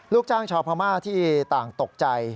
ลูกจ้างชาวพม่าที่ต่างตกใจ